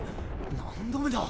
何度目だ？